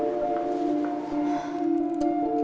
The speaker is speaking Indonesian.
terima kasih bu